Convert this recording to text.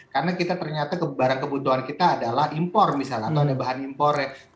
karena kita ternyata barang kebutuhan kita adalah impor misalnya atau ada bahan impor ya